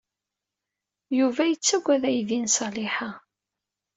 Yuba yettaggad aydi n Ṣaliḥa.